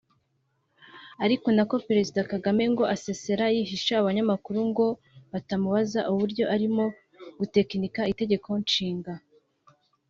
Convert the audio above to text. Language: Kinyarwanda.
Ari nako Perezida Kagame ngo asesera yihisha abanyamakuru ngo batamubaza uburyo arimo gutgekinika itegeko nshinga